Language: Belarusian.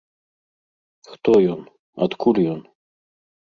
Хто ён, адкуль ён?